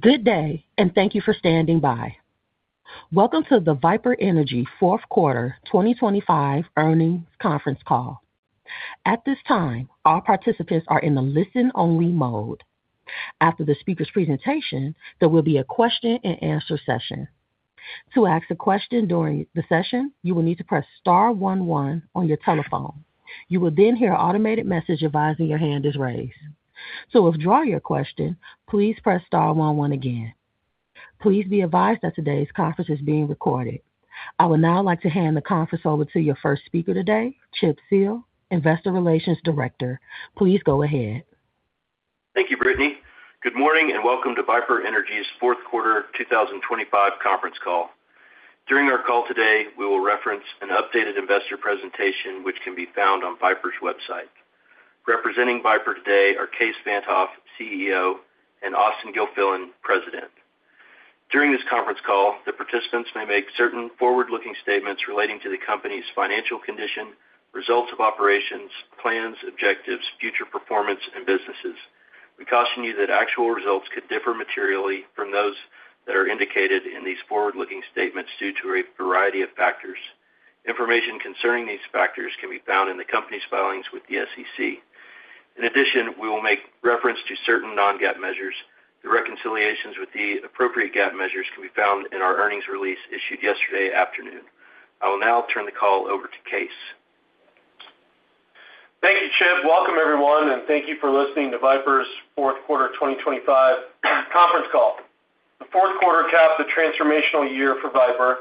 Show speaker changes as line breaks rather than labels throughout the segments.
Good day, thank you for standing by. Welcome to the Viper Energy Fourth Quarter 2025 Earnings Conference Call. At this time, all participants are in the listen-only mode. After the speaker's presentation, there will be a question and answer session. To ask a question during the session, you will need to press star one one on your telephone. You will then hear an automated message advising your hand is raised. To withdraw your question, please press star one one again. Please be advised that today's conference is being recorded. I would now like to hand the conference over to your first speaker today, Chip Seale, Investor Relations Director. Please go ahead.
Thank you, Brittany. Good morning, and welcome to Viper Energy's 4th quarter 2025 conference call. During our call today, we will reference an updated investor presentation, which can be found on Viper's website. Representing Viper today are Kaes Van't Hof, CEO, and Austen Gilfillian, President. During this conference call, the participants may make certain forward-looking statements relating to the company's financial condition, results of operations, plans, objectives, future performance, and businesses. We caution you that actual results could differ materially from those that are indicated in these forward-looking statements due to a variety of factors. Information concerning these factors can be found in the company's filings with the SEC. In addition, we will make reference to certain non-GAAP measures. The reconciliations with the appropriate GAAP measures can be found in our earnings release issued yesterday afternoon. I will now turn the call over to Kaes.
Thank you, Chip. Welcome, everyone, and thank you for listening to Viper's fourth quarter 2025 conference call. The fourth quarter capped a transformational year for Viper,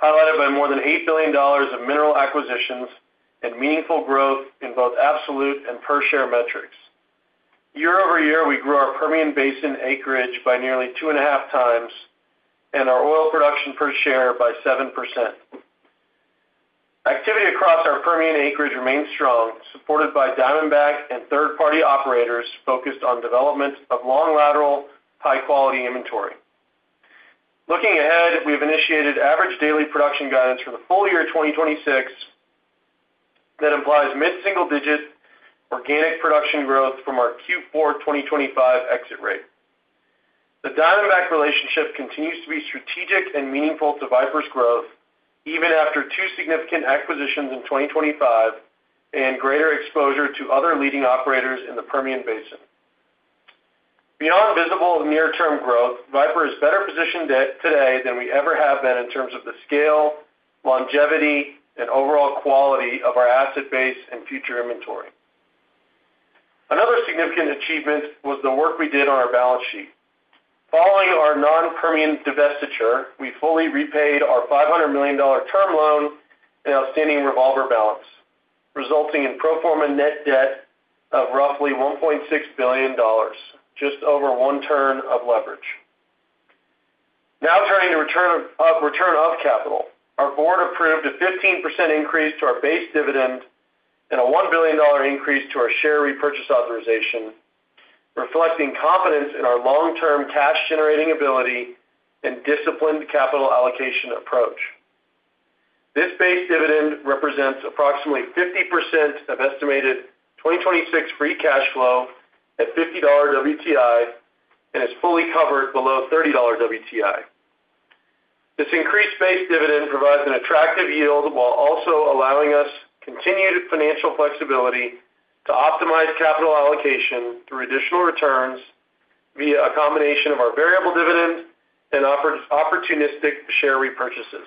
highlighted by more than $8 billion of mineral acquisitions and meaningful growth in both absolute and per share metrics. Year-over-year, we grew our Permian Basin acreage by nearly two and a half times and our oil production per share by 7%. Activity across our Permian acreage remains strong, supported by Diamondback Energy and third-party operators focused on development of long lateral, high-quality inventory. Looking ahead, we've initiated average daily production guidance for the full year 2026 that implies mid-single digit organic production growth from our Q4 2025 exit rate. The Diamondback Energy relationship continues to be strategic and meaningful to Viper's growth, even after two significant acquisitions in 2025 and greater exposure to other leading operators in the Permian Basin. Beyond visible near-term growth, Viper Energy is better positioned today than we ever have been in terms of the scale, longevity, and overall quality of our asset base and future inventory. Another significant achievement was the work we did on our balance sheet. Following our non-Permian divestiture, we fully repaid our $500 million term loan and outstanding revolver balance, resulting in pro forma net debt of roughly $1.6 billion, just over one turn of leverage. Turning to return of capital. Our board approved a 15% increase to our base dividend and a $1 billion increase to our share repurchase authorization, reflecting confidence in our long-term cash generating ability and disciplined capital allocation approach. This base dividend represents approximately 50% of estimated 2026 free cash flow at $50 WTI and is fully covered below $30 WTI. This increased base dividend provides an attractive yield, while also allowing us continued financial flexibility to optimize capital allocation through additional returns via a combination of our variable dividends and opportunistic share repurchases.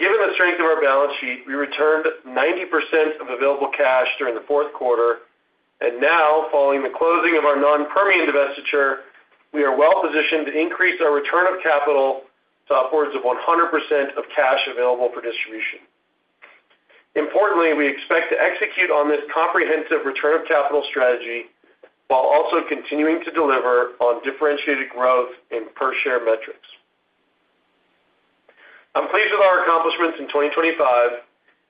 Given the strength of our balance sheet, we returned 90% of available cash during the fourth quarter, and now, following the closing of our non-Permian divestiture, we are well positioned to increase our return of capital to upwards of 100% of cash available for distribution. Importantly, we expect to execute on this comprehensive return of capital strategy while also continuing to deliver on differentiated growth in per share metrics. I'm pleased with our accomplishments in 2025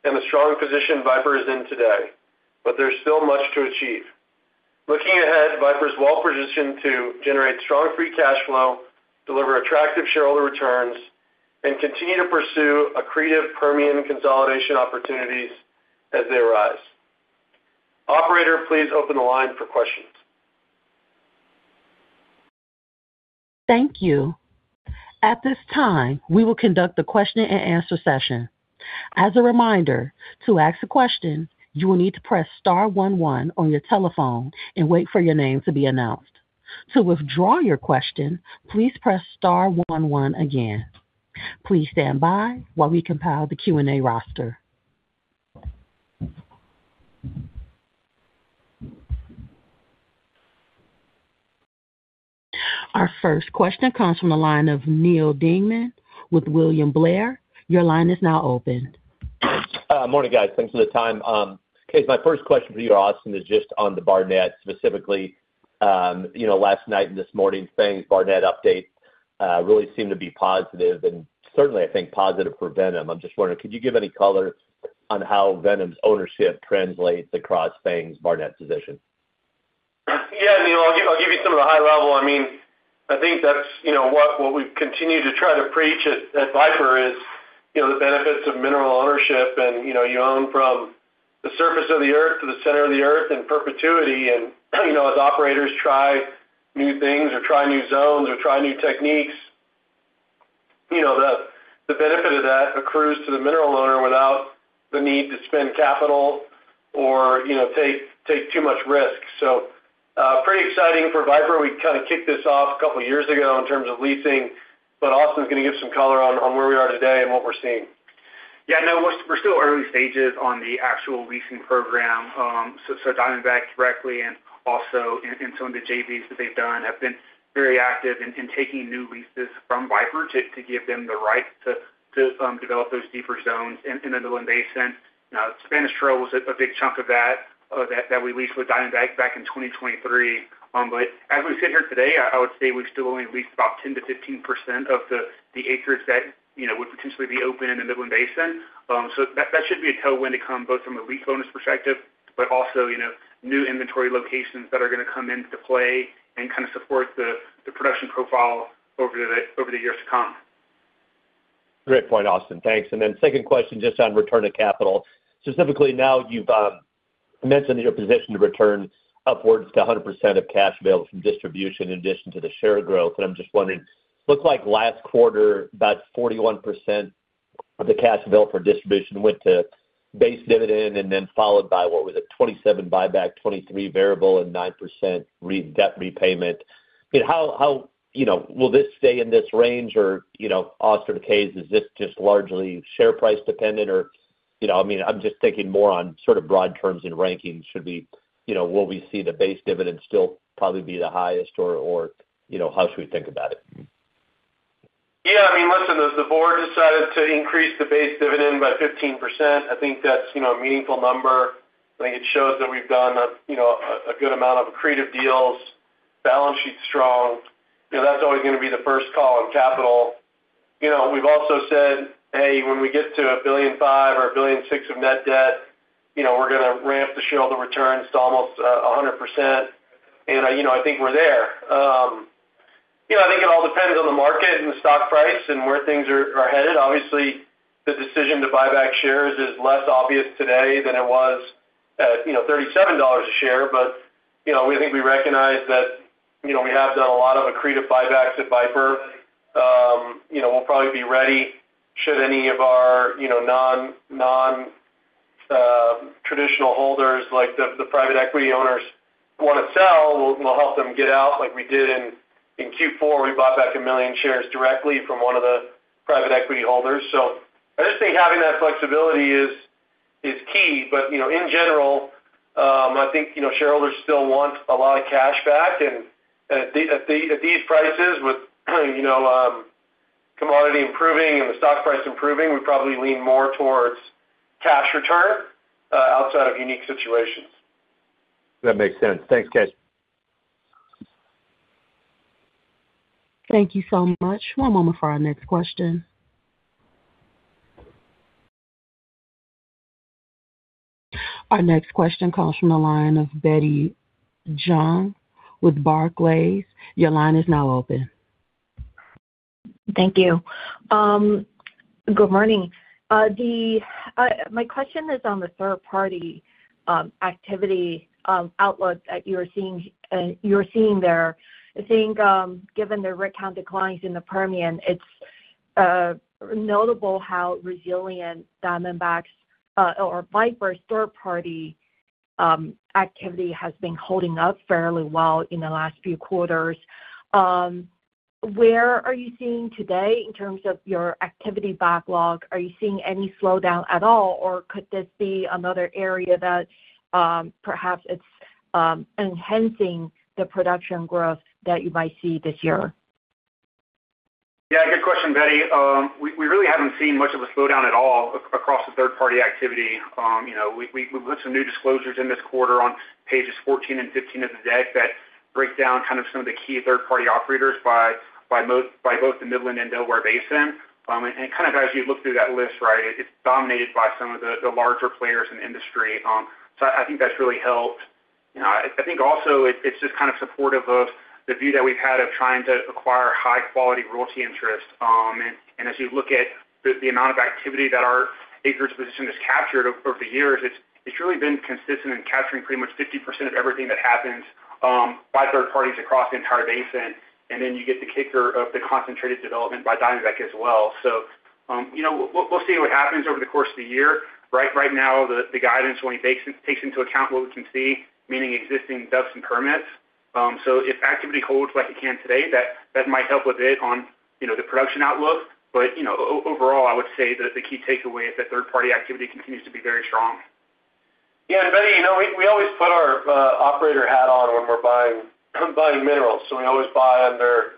and the strong position Viper is in today, but there's still much to achieve. Looking ahead, Viper is well positioned to generate strong free cash flow, deliver attractive shareholder returns, and continue to pursue accretive Permian consolidation opportunities as they arise. Operator, please open the line for questions.
Thank you. At this time, we will conduct the question-and-answer session. As a reminder, to ask a question, you will need to press star one one on your telephone and wait for your name to be announced. To withdraw your question, please press star one one again. Please stand by while we compile the Q&A roster. Our first question comes from the line of Neal Dingmann with William Blair. Your line is now open.
Morning, guys. Thanks for the time. Kaes, my first question for you, Austen, is just on the Barnett specifically. you know, last night and this morning, FANG's Barnett update, really seemed to be positive and certainly I think positive for Viper Energy. I'm just wondering, could you give any color on how Viper Energy's ownership translates across FANG's Barnett position?
Yeah, Neil, I'll give you some of the high level. I mean, I think that's, you know, what we've continued to try to preach at Viper is, you know, the benefits of mineral ownership. You own from the surface of the Earth to the center of the Earth in perpetuity. As operators try new things or try new zones or try new techniques, you know, the benefit of that accrues to the mineral owner without the need to spend capital or, you know, take too much risk. Pretty exciting for Viper. We kind of kicked this off two years ago in terms of leasing, but Austen is going to give some color on where we are today and what we're seeing.
Yeah, no, we're still early stages on the actual leasing program. Diamondback directly and also in some of the JVs that they've done, have been very active in taking new leases from Viper Energy to give them the right to develop those deeper zones in the Midland Basin. Spanish Trail was a big chunk of that that we leased with Diamondback back in 2023. As we sit here today, I would say we've still only leased about 10%-15% of the acreage that, you know, would potentially be open in the Midland Basin. That should be a tailwind to come, both from a lease bonus perspective, but also, you know, new inventory locations that are going to come into play and kind of support the production profile over the years to come.
Great point, Austen. Thanks. Second question, just on return of capital. Specifically, now, you've mentioned that you're positioned to return upwards to 100% of cash available from distribution in addition to the share growth. I'm just wondering, looks like last quarter, about 41% of the cash available for distribution went to base dividend and then followed by, what was it? 27% buyback, 23% variable, and 9% debt repayment. I mean, how... You know, will this stay in this range? You know, Austen or Kaes, is this just largely share price dependent? You know, I mean, I'm just thinking more on sort of broad terms in rankings. You know, will we see the base dividend still probably be the highest, or, you know, how should we think about it?
Yeah, I mean, listen, as the board decided to increase the base dividend by 15%, I think that's, you know, a meaningful number. I think it shows that we've done a, you know, a good amount of accretive deals, balance sheet's strong. You know, that's always going to be the first call on capital. You know, we've also said, "Hey, when we get to $1.5 billion or $1.6 billion of net debt, you know, we're going to ramp the shareholder returns to almost 100%." You know, I think we're there. You know, I think it all depends on the market and the stock price and where things are headed. Obviously, the decision to buy back shares is less obvious today than it was at, you know, $37 a share. You know, we think we recognize that, you know, we have done a lot of accretive buybacks at Viper Energy. You know, we'll probably be ready should any of our, you know, non-traditional holders, like the private equity owners, want to sell, we'll help them get out like we did in Q4, we bought back 1 million shares directly from one of the private equity holders. I just think having that flexibility is key. You know, in general, I think, you know, shareholders still want a lot of cash back. At these prices, with, you know, commodity improving and the stock price improving, we probably lean more towards cash return outside of unique situations.
That makes sense. Thanks, guys.
Thank you so much. One moment for our next question. Our next question comes from the line of Betty Jiang with Barclays. Your line is now open.
Thank you. good morning. my question is on the third-party activity outlook that you're seeing there. I think given the rig count declines in the Permian, it's notable how resilient Diamondback's or Viper's third-party activity has been holding up fairly well in the last few quarters. Where are you seeing today in terms of your activity backlog? Are you seeing any slowdown at all, or could this be another area that perhaps it's enhancing the production growth that you might see this year?
Yeah, good question, Betty. We really haven't seen much of a slowdown at all across the third-party activity. You know, we've put some new disclosures in this quarter on Pages 14 and 15 of the deck that break down kind of some of the key third-party operators by both the Midland and Delaware Basin. Kind of as you look through that list, right, it's dominated by some of the larger players in the industry. I think that's really helped. You know, I think also it's just kind of supportive of the view that we've had of trying to acquire high-quality royalty interest. As you look at the amount of activity that our acreage position has captured over the years, it's really been consistent in capturing pretty much 50% of everything that happens by third parties across the entire basin, and then you get the kicker of the concentrated development by Diamondback as well. You know, we'll see what happens over the course of the year, right? Right now, the guidance only takes into account what we can see, meaning existing DUCs and permits. If activity holds like it can today, that might help a bit on, you know, the production outlook. You know, overall, I would say that the key takeaway is that third-party activity continues to be very strong.
Yeah, Betty, you know, we always put our operator hat on when we're buying minerals. We always buy under,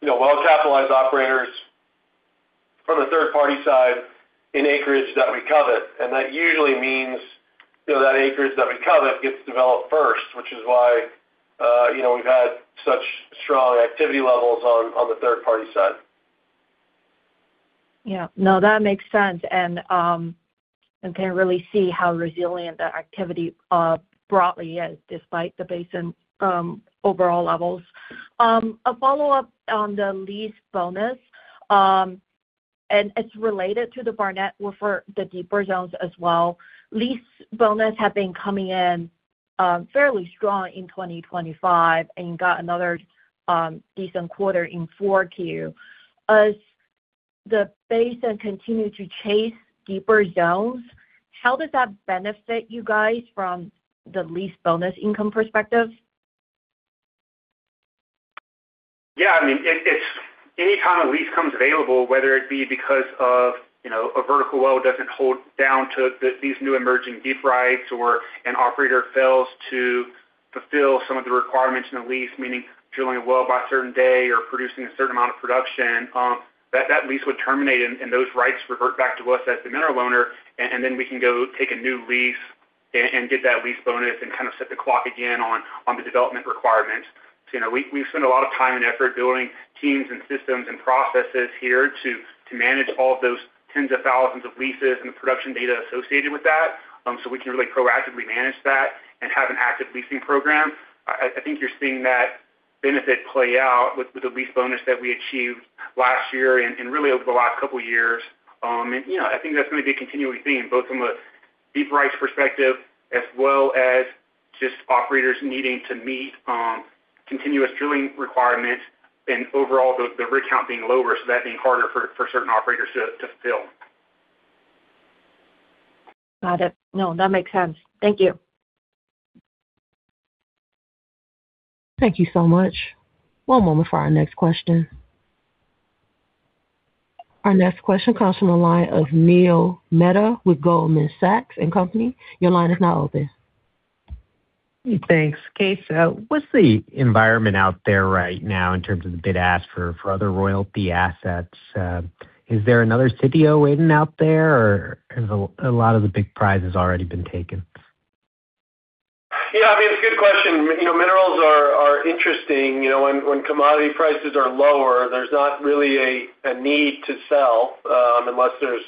you know, well-capitalized operators from a third-party side in acreage that we covet, that usually means, you know, that acreage that we covet gets developed first, which is why, you know, we've had such strong activity levels on the third-party side.
Yeah. No, that makes sense. Can really see how resilient the activity broadly is despite the basin overall levels. A follow-up on the lease bonus. It's related to the Barnett for the deeper zones as well. Lease bonus have been coming in fairly strong in 2025 and got another decent quarter in 4Q. As the basin continue to chase deeper zones, how does that benefit you guys from the lease bonus income perspective?
Yeah, I mean, it's anytime a lease comes available, whether it be because of, you know, a vertical well, doesn't hold down to these new emerging deep rights, or an operator fails to fulfill some of the requirements in the lease, meaning drilling a well by a certain day or producing a certain amount of production, that lease would terminate, and those rights revert back to us as the mineral owner, and then we can go take a new lease and get that lease bonus and kind of set the clock again on the development requirement. You know, we've spent a lot of time and effort building teams and systems and processes here to manage all of those tens of thousands of leases and the production data associated with that, so we can really proactively manage that and have an active leasing program. I think you're seeing that benefit play out with the lease bonus that we achieved last year and really over the last couple of years. You know, I think that's gonna be a continuing theme, both from a deep rights perspective as well as just operators needing to meet continuous drilling requirements and overall, the rig count being lower, so that being harder for certain operators to fill.
Got it. No, that makes sense. Thank you.
Thank you so much. One moment for our next question. Our next question comes from the line of Neil Mehta, with Goldman Sachs and Company. Your line is now open.
Thanks. Kaes, what's the environment out there right now in terms of the bid ask for other royalty assets? Is there another Sitio waiting out there, or has a lot of the big prizes already been taken?
I mean, it's a good question. You know, minerals are interesting. You know, when commodity prices are lower, there's not really a need to sell unless there's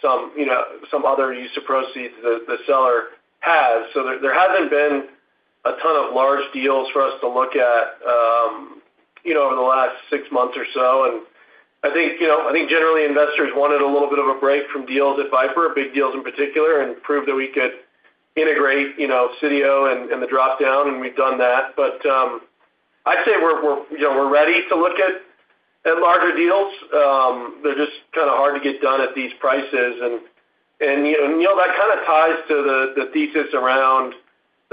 some, you know, some other use of proceeds the seller has. There hasn't been a ton of large deals for us to look at, you know, over the last six months or so, and I think, you know, I think generally investors wanted a little bit of a break from deals at Viper Energy, big deals in particular, and prove that we could integrate, you know, Sitio and the dropdown, and we've done that. I'd say we're, you know, we're ready to look at larger deals. They're just kind of hard to get done at these prices. You know, Neal, that kind of ties to the thesis around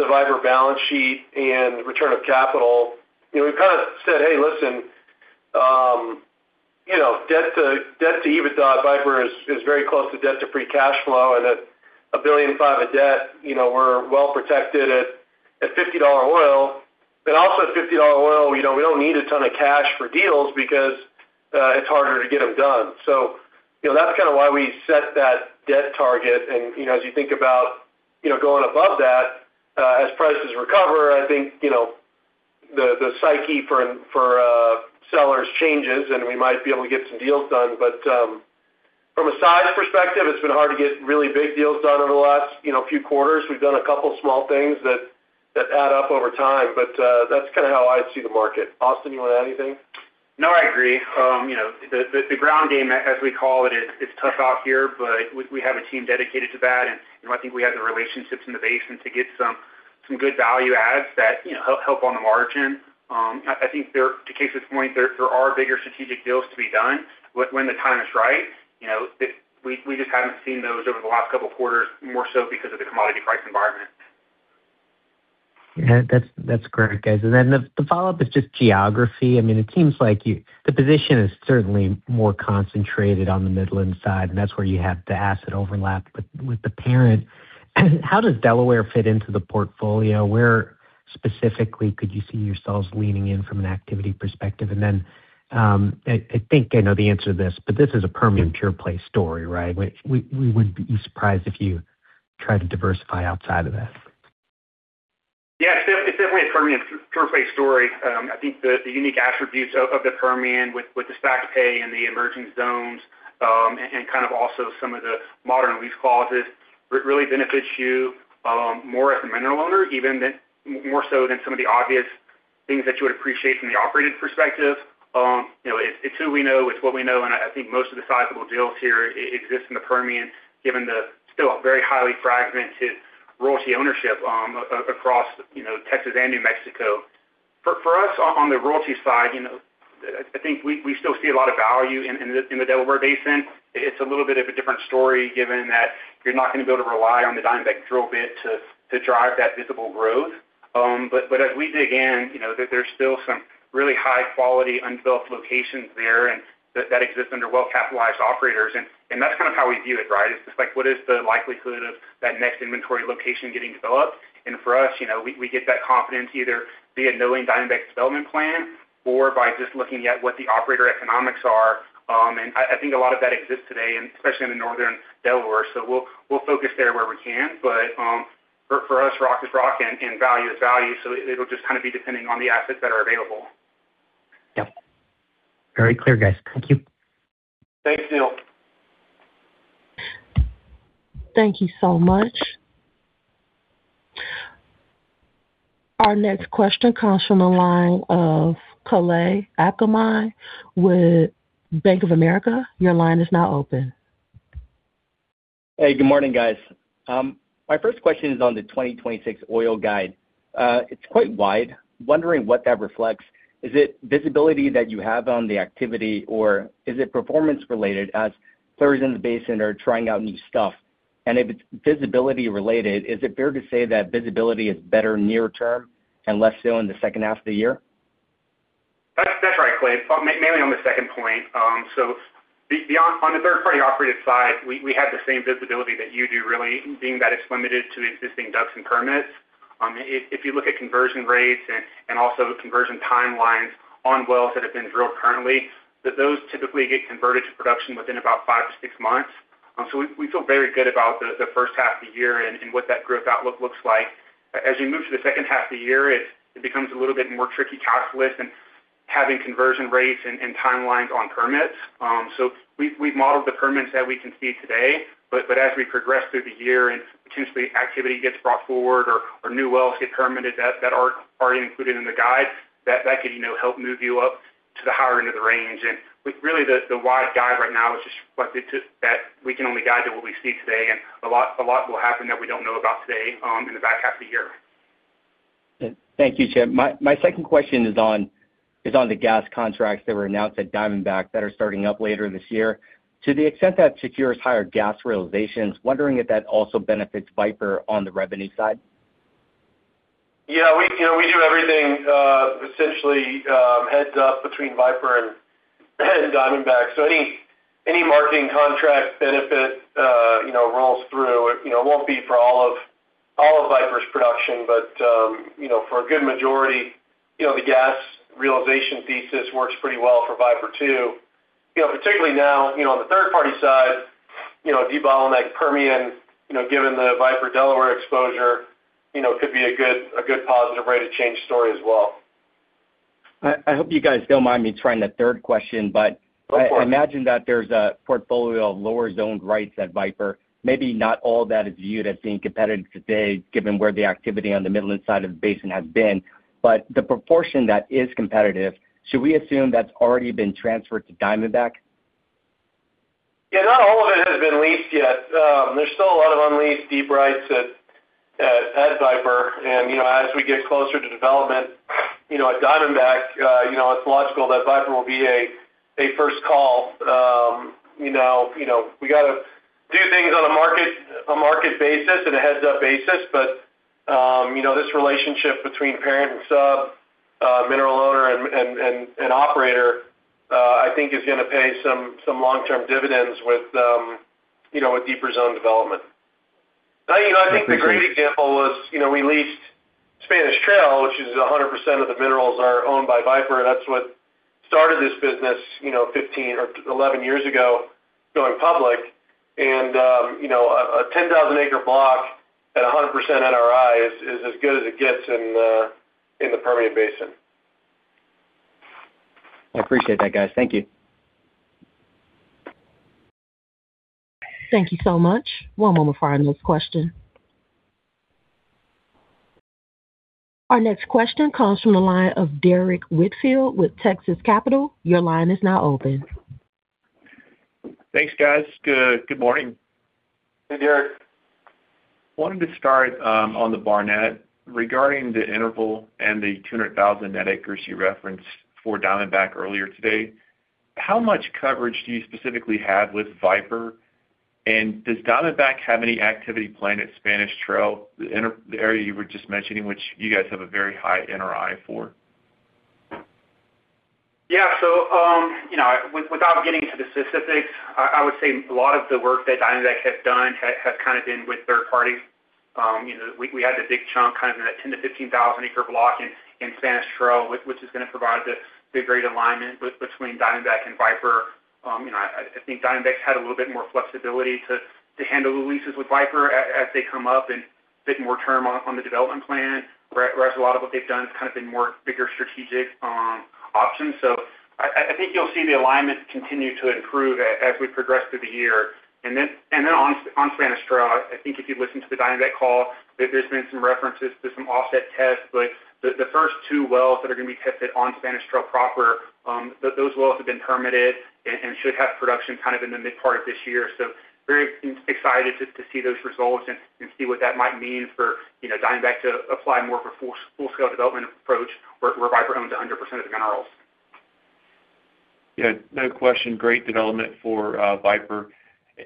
the Viper Energy balance sheet and return of capital. You know, we've kind of said, "Hey, listen, you know, debt to EBITDA at Viper Energy is very close to debt to free cash flow, and at $1.5 billion of debt, you know, we're well protected at $50 oil. But also at $50 oil, you know, we don't need a ton of cash for deals because it's harder to get them done." You know, that's kind of why we set that debt target. you know, as you think about, you know, going above that, as prices recover, I think, you know, the psyche for sellers changes, and we might be able to get some deals done. From a size perspective, it's been hard to get really big deals done over the last, you know, few quarters. We've done a couple small things that add up over time, but that's kind of how I see the market. Austen, you want to add anything?
No, I agree. You know, the ground game, as we call it, is, it's tough out here, but we have a team dedicated to that, and, you know, I think we have the relationships in the basin to get some good value adds that, you know, help on the margin. I think there, to Kaes's point, there are bigger strategic deals to be done when the time is right. You know, we just haven't seen those over the last couple of quarters, more so because of the commodity price environment.
Yeah, that's great, guys. Then the follow-up is just geography. I mean, it seems like the position is certainly more concentrated on the Midland side, and that's where you have the asset overlap. With the parent, how does Delaware fit into the portfolio? Where specifically could you see yourselves leaning in from an activity perspective? Then, I think I know the answer to this, but this is a Permian pure play story, right? Which we would be surprised if you tried to diversify outside of this.
Yeah, it's definitely a Permian pure play story. I think the unique attributes of the Permian with the stack pay and the emerging zones, and kind of also some of the modern lease clauses, really benefits you, more as a mineral owner, even than, more so than some of the obvious things that you would appreciate from the operated perspective. you know, it's who we know, it's what we know. I think most of the sizable deals here exist in the Permian, given the still very highly fragmented royalty ownership, across, you know, Texas and New Mexico. For us, on the royalty side, you know, I think we still see a lot of value in the Delaware Basin. It's a little bit of a different story, given that you're not gonna be able to rely on the Diamondback drill bit to drive that visible growth. As we dig in, you know, there's still some really high-quality, undeveloped locations there, and that exists under well-capitalized operators, and that's kind of how we view it, right? It's just like, what is the likelihood of that next inventory location getting developed? For us, you know, we get that confidence either via knowing Diamondback's development plan or by just looking at what the operator economics are. I think a lot of that exists today, and especially in the Northern Delaware. We'll focus there where we can. For us, rock is rock and value is value, so it'll just kind of be depending on the assets that are available.
Yep. Very clear, guys. Thank you.
Thanks, Neil.
Thank you so much. Our next question comes from the line of Kalei Akamine with Bank of America. Your line is now open.
Hey, good morning, guys. My first question is on the 2026 oil guide. It's quite wide. Wondering what that reflects. Is it visibility that you have on the activity, or is it performance related as players in the basin are trying out new stuff? If it's visibility related, is it fair to say that visibility is better near term and less so in the second half of the year?
That's right, Kalei. Mainly on the second point. Beyond on the third party operated side, we have the same visibility that you do really, being that it's limited to the existing DUCs and permits. If you look at conversion rates and also conversion timelines on wells that have been drilled currently, that those typically get converted to production within about five to six months. We feel very good about the first half of the year and what that growth outlook looks like. As you move to the second half of the year, it becomes a little bit more tricky calculus and having conversion rates and timelines on permits. We've modeled the permits that we can see today, but as we progress through the year and potentially activity gets brought forward or new wells get permitted that aren't already included in the guide, that could, you know, help move you up to the higher end of the range. Really, the wide guide right now is just reflected to, that we can only guide to what we see today, and a lot will happen that we don't know about today in the back half of the year.
Thank you, Chip. My second question is on the gas contracts that were announced at Diamondback that are starting up later this year. To the extent that secures higher gas realizations, wondering if that also benefits Viper on the revenue side?
We, you know, we do everything essentially heads up between Viper and Diamondback. Any marketing contract benefit, you know, rolls through, you know, it won't be for all of Viper's production. You know, for a good majority, you know, the gas realization thesis works pretty well for Viper, too. You know, particularly now, you know, on the third party side, you know, deep bottleneck Permian, you know, given the Viper Delaware exposure, you know, could be a good positive rate of change story as well.
I hope you guys don't mind me trying the third question.
Go for it.
I imagine that there's a portfolio of lower zoned rights at Viper. Maybe not all that is viewed as being competitive today, given where the activity on the Midland side of the basin has been, but the proportion that is competitive, should we assume that's already been transferred to Diamondback?
Yeah, not all of it has been leased yet. There's still a lot of unleased deep rights at Viper Energy. You know, as we get closer to development, you know, at Diamondback Energy, you know, it's logical that Viper Energy will be a first call. You know, you know, we got to do things on a market basis and a heads-up basis. You know, this relationship between parent and sub, mineral owner and operator, I think is gonna pay some long-term dividends with, you know, with deeper zone development. You know, I think the great example was, you know, we leased Spanish Trail, which is 100% of the minerals are owned by Viper Energy. That's what started this business, you know, 15 or 11 years ago, going public, you know, a 10,000 acre block at a 100% NRI is as good as it gets in the Permian Basin.
I appreciate that, guys. Thank you.
Thank you so much. One moment before our next question. Our next question comes from the line of Derrick Whitfield with Texas Capital. Your line is now open.
Thanks, guys. Good morning.
Hey, Derrick.
Wanted to start on the Barnett. Regarding the interval and the 200,000 net acres you referenced for Diamondback earlier today, how much coverage do you specifically have with Viper? Does Diamondback have any activity planned at Spanish Trail, the area you were just mentioning, which you guys have a very high NRI for?
Yeah. You know, without getting into the specifics, I would say a lot of the work that Diamondback has done has kind of been with third parties. You know, we had the big chunk, kind of in a 10,000-15,000 acre block in Spanish Trail, which is gonna provide the great alignment between Diamondback and Viper. You know, I think Diamondback's had a little bit more flexibility to handle the leases with Viper as they come up and a bit more term on the development plan. Whereas a lot of what they've done has kind of been more bigger strategic options. I think you'll see the alignment continue to improve as we progress through the year. Then on Spanish Trail, I think if you listen to the Diamondback call, there's been some references to some offset tests. The first two wells that are going to be tested on Spanish Trail proper, those wells have been permitted and should have production kind of in the mid part of this year. Very excited to see those results and see what that might mean for, you know, Diamondback to apply more of a full-scale development approach where Viper owns 100% of the minerals.
Yeah, no question. Great development for Viper.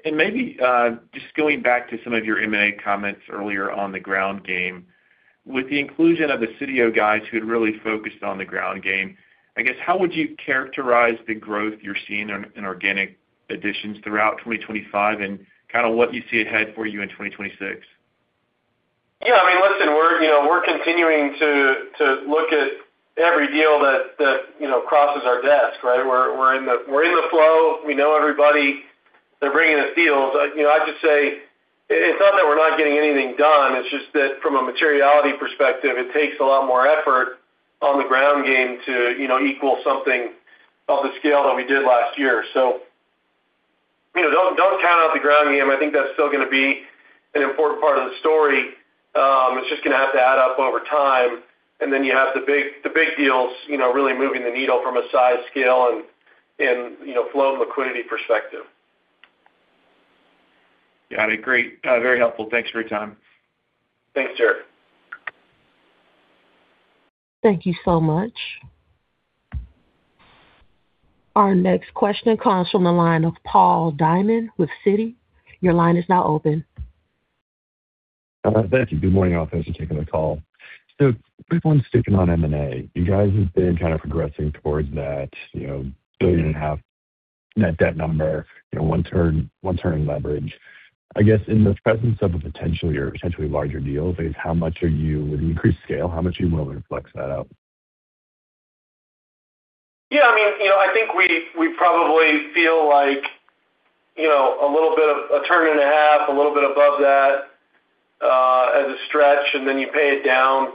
Maybe, just going back to some of your M&A comments earlier on the ground game. With the inclusion of the Sitio guys, who had really focused on the ground game, I guess, how would you characterize the growth you're seeing in organic additions throughout 2025 and kind of what you see ahead for you in 2026?
Yeah, I mean, listen, we're, you know, we're continuing to look at every deal that, you know, crosses our desk, right? We're in the flow. We know everybody. They're bringing us deals. You know, I just say, it's not that we're not getting anything done, it's just that from a materiality perspective, it takes a lot more effort on the ground game to, you know, equal something of the scale that we did last year. Don't count out the ground game. I think that's still gonna be an important part of the story. it's just gonna have to add up over time, and then you have the big deals, you know, really moving the needle from a size, scale, and, you know, flow and liquidity perspective.
Got it. Great, very helpful. Thanks for your time.
Thanks, sir.
Thank you so much. Our next question comes from the line of Paul Diamond with Citi. Your line is now open.
Thank you. Good morning, officers. Thanks for taking the call. Quick one, sticking on M&A. You guys have been kind of progressing towards that, you know, $1.5 billion net debt number, you know, one turn, one turn leverage. I guess, in the presence of a potential or potentially larger deal base, how much are you, with an increased scale, how much are you willing to flex that out?
Yeah, I mean, you know, I think we probably feel like, you know, a little bit of a turn and a half, a little bit above that, as a stretch, and then you pay it down,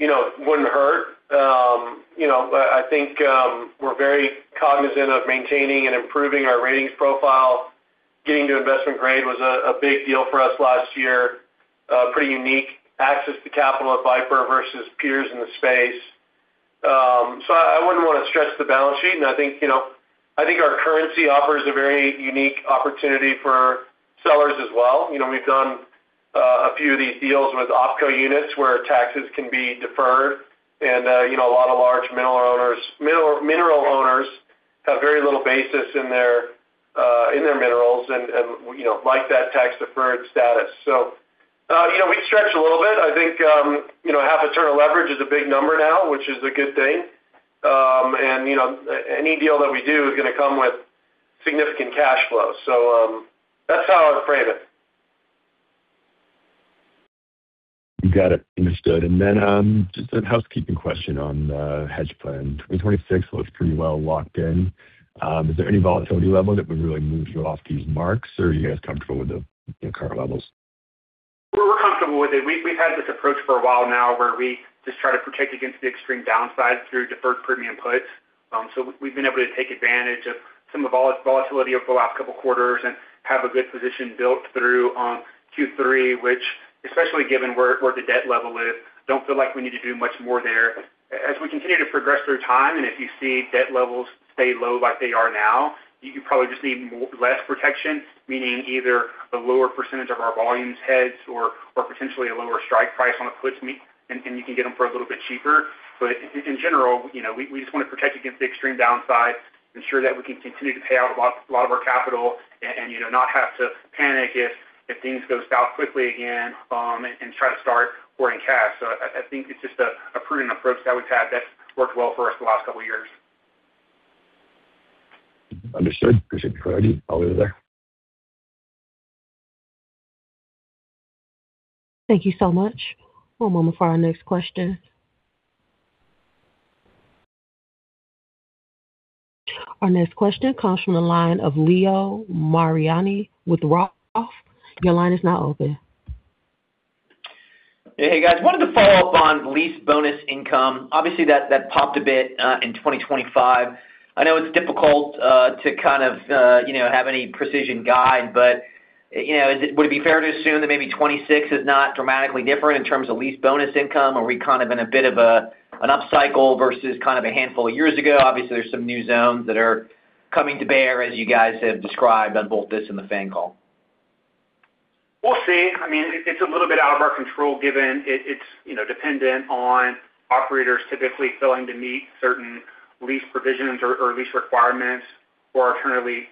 you know, wouldn't hurt. You know, I think, we're very cognizant of maintaining and improving our ratings profile. Getting to investment grade was a big deal for us last year. Pretty unique access to capital at Viper Energy versus peers in the space. I wouldn't wanna stretch the balance sheet, and I think, you know, I think our currency offers a very unique opportunity for sellers as well. You know, we've done a few of these deals with OpCo units where taxes can be deferred, and, you know, a lot of large mineral owners have very little basis in their, in their minerals and, you know, like that tax-deferred status. You know, we stretch a little bit. I think, you know, half a turn of leverage is a big number now, which is a good thing. You know, any deal that we do is gonna come with significant cash flow. That's how I'd frame it.
You got it. Understood. Just a housekeeping question on the hedge plan. 2026 looks pretty well locked in. Is there any volatility level that would really move you off these marks, or are you guys comfortable with the current levels?
We're comfortable with it. We've had this approach for a while now, where we just try to protect against the extreme downside through deferred premium puts. We've been able to take advantage of some of volatility over the last two quarters and have a good position built through Q3, which, especially given where the debt level is, don't feel like we need to do much more there. As we continue to progress through time, and if you see debt levels stay low like they are now, you probably just need less protection, meaning either a lower percentage of our volumes hedged or potentially a lower strike price on the puts and you can get them for a little bit cheaper. In general, you know, we just wanna protect against the extreme downside, ensure that we can continue to pay out a lot of our capital, and, you know, not have to panic if things go south quickly again and try to start burning cash. I think it's just a prudent approach that we've had that's worked well for us the last couple of years.
Understood. Appreciate the clarity. I'll leave it there.
Thank you so much. One moment for our next question. Our next question comes from the line of Leo Mariani with Roth. Your line is now open.
Hey, guys. Wanted to follow up on lease bonus income. Obviously, that popped a bit in 2025. I know it's difficult to kind of, you know, have any precision guide, but, you know, would it be fair to assume that maybe 2026 is not dramatically different in terms of lease bonus income? Are we kind of in a bit of a, an upcycle versus kind of a handful of years ago? Obviously, there's some new zones that are coming to bear, as you guys have described on both this and the FANG call.
We'll see. I mean, it's a little bit out of our control, given it's, you know, dependent on operators typically failing to meet certain lease provisions or lease requirements, or alternatively,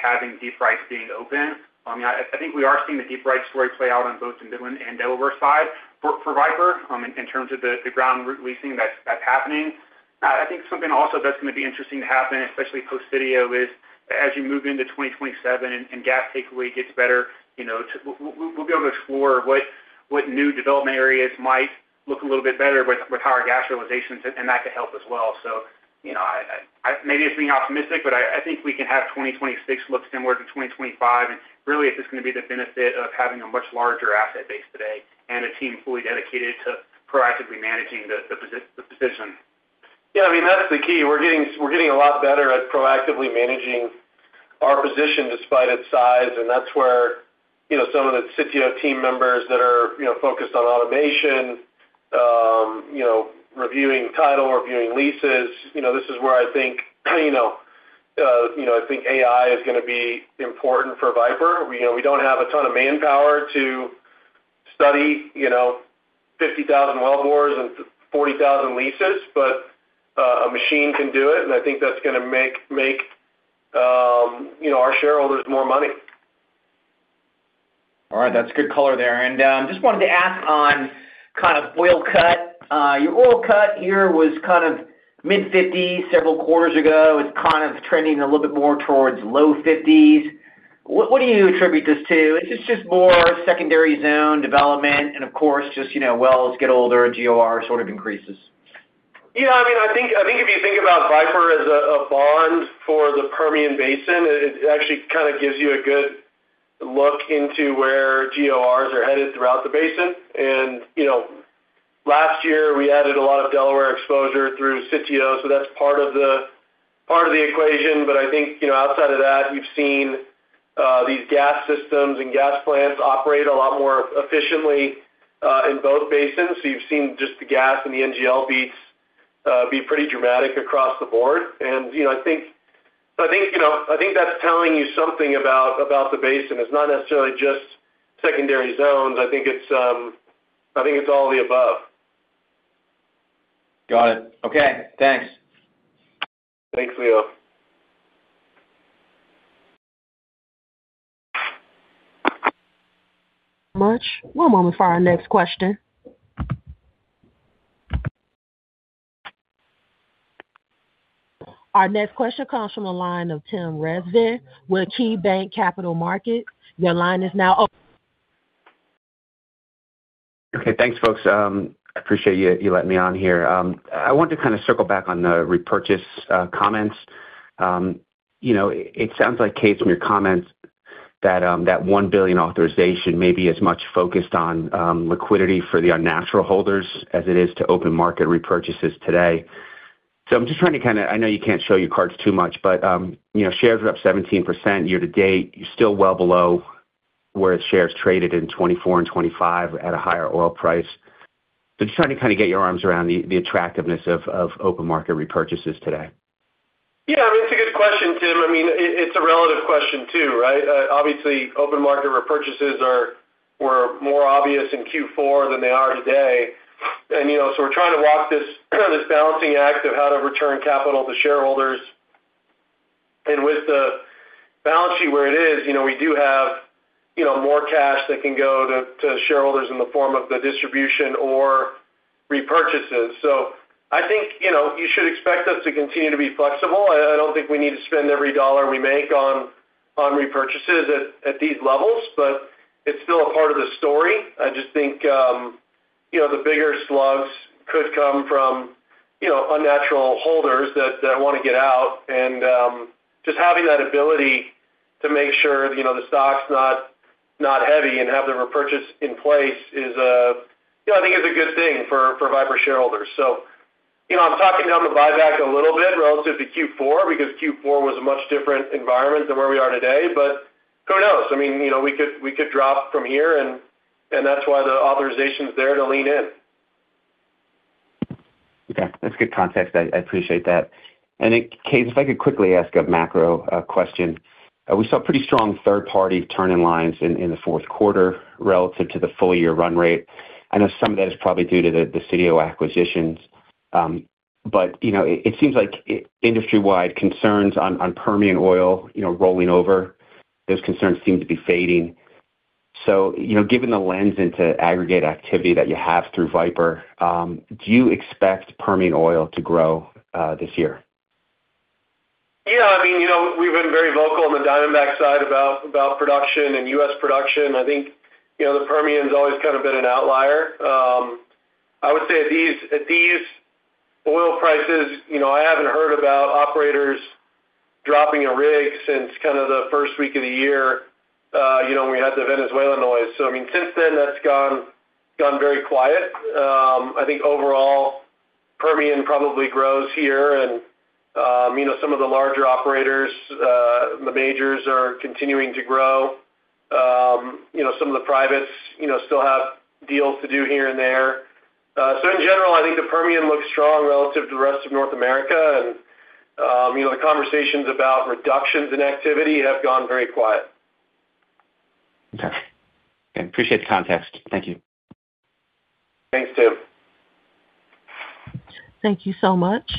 having deep rights being open. I mean, I think we are seeing the deep rights story play out on both the Midland and Delaware side for Viper Energy, in terms of the ground leasing that's happening. I think something also that's gonna be interesting to happen, especially post-Sitio, is as you move into 2027 and gas takeaway gets better, you know, We'll be able to explore what new development areas might look a little bit better with higher gas realization, and that could help as well. You know, I maybe it's being optimistic, but I think we can have 2026 look similar to 2025. Really, it's just gonna be the benefit of having a much larger asset base today and a team fully dedicated to proactively managing the position.
Yeah, I mean, that's the key. We're getting a lot better at proactively managing our position despite its size, and that's where, you know, some of the Sitio team members that are, you know, focused on automation, you know, reviewing title, reviewing leases, you know, this is where I think, you know, I think AI is gonna be important for Viper Energy. You know, we don't have a ton of manpower to study, you know, 50,000 wellbores and 40,000 leases, but a machine can do it, and I think that's gonna make, you know, our shareholders more money.
All right. That's good color there. Just wanted to ask on kind of oil cut. Your oil cut here was kind of mid-50s several quarters ago. It's kind of trending a little bit more towards low 50s. What, what do you attribute this to? Is this just more secondary zone development, and of course, just, you know, wells get older, GOR sort of increases?
Yeah, I mean, I think if you think about Viper as a bond for the Permian Basin, it actually kind of gives you a good look into where GORs are headed throughout the basin. You know, exposure through Sitio. That's part of the equation. I think, you know, outside of that, we've seen these gas systems and gas plants operate a lot more efficiently in both basins. You've seen just the gas and the NGL beats be pretty dramatic across the board. You know, I think that's telling you something about the basin. It's not necessarily just secondary zones. I think it's all the above.
Got it. Okay, thanks.
Thanks, Leo.
Much. One moment for our next question. Our next question comes from the line of Timothy Rezvan with KeyBanc Capital Markets. Your line is now open.
Okay, thanks, folks. I appreciate you letting me on here. I want to kind of circle back on the repurchase comments. You know, it sounds like, Kaes, from your comments, that $1 billion authorization may be as much focused on liquidity for the unnatural holders as it is to open market repurchases today. I'm just trying to kind of. I know you can't show your cards too much, but, you know, shares are up 17% year-to-date. You're still well below where shares traded in 2024 and 2025 at a higher oil price. I'm just trying to kind of get your arms around the attractiveness of open market repurchases today.
Yeah, it's a good question, Tim. I mean, it's a relative question too, right? Obviously, open market repurchases were more obvious in Q4 than they are today. You know, so we're trying to walk this balancing act of how to return capital to shareholders. With the balance sheet where it is, you know, we do have, you know, more cash that can go to shareholders in the form of the distribution or repurchases. I think, you know, you should expect us to continue to be flexible. I don't think we need to spend every dollar we make on repurchases at these levels, but it's still a part of the story. I just think, you know, the bigger slugs could come from, you know, unnatural holders that want to get out, and just having that ability to make sure, you know, the stock's not heavy and have the repurchase in place is, you know, I think it's a good thing for Viper shareholders. You know, I'm talking down the buyback a little bit relative to Q4, because Q4 was a much different environment than where we are today. Who knows? I mean, you know, we could drop from here, and that's why the authorization is there to lean in.
Okay, that's good context. I appreciate that. Then, Kaes, if I could quickly ask a macro question. We saw pretty strong third-party turn-in lines in the fourth quarter relative to the full year run rate. I know some of that is probably due to the Sitio acquisitions. You know, it seems like industry-wide concerns on Permian Oil, you know, rolling over, those concerns seem to be fading. You know, given the lens into aggregate activity that you have through Viper, do you expect Permian Oil to grow this year?
Yeah, I mean, you know, we've been very vocal on the Diamondback Energy side about production and U.S. production. I think, you know, the Permian's always kind of been an outlier. I would say at these oil prices, you know, I haven't heard about operators dropping a rig since kind of the first week of the year, you know, when we had the Venezuelan noise. I mean, since then, that's gone very quiet. I think overall, Permian probably grows here and, you know, some of the larger operators, the majors are continuing to grow. You know, some of the privates, you know, still have deals to do here and there.In general, I think the Permian looks strong relative to the rest of North America, and, you know, the conversations about reductions in activity have gone very quiet.
Okay. I appreciate the context. Thank you.
Thanks, Tim.
Thank you so much.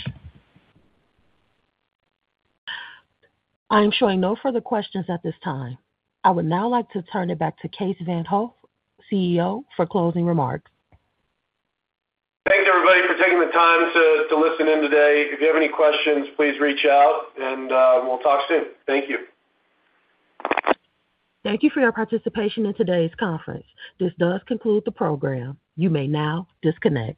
I'm showing no further questions at this time. I would now like to turn it back to Kaes Van't Hof, CEO, for closing remarks.
Thanks, everybody, for taking the time to listen in today. If you have any questions, please reach out and we'll talk soon. Thank you.
Thank you for your participation in today's conference. This does conclude the program. You may now disconnect.